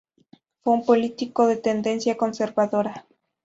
Fue un político de tendencia conservadora.